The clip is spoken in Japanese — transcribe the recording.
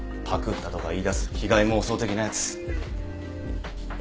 パクったとか言いだす被害妄想的なやつ。